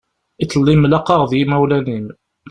Iḍelli mlaqaɣ d yimawlan-im.